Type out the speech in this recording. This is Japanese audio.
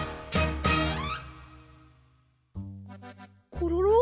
コロロ？